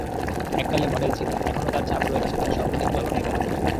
এককালে মডেল ছিলেন, এখনো তার ছাপ রয়ে গেছে তাঁর সপ্রতিভ চলনে-বলনে।